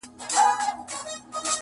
اوس سره جار وتو رباب سومه نغمه یمه,